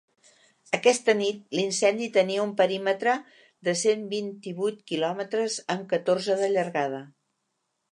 Aquesta nit, l’incendi tenia un perímetre de cent vint-i-vuit quilòmetres, amb catorze de llargada.